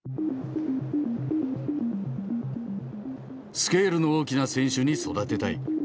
スケールの大きな選手に育てたい。